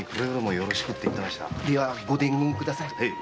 ではご伝言ください。